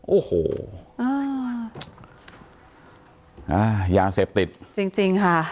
โอ้โหยางเสพติดจริงค่ะ